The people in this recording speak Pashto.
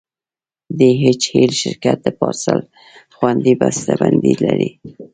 ډي ایچ ایل شرکت د پارسل خوندي بسته بندي لري.